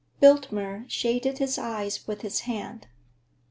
Biltmer shaded his eyes with his hand.